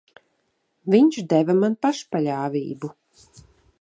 Viņš deva man pašpaļāvību.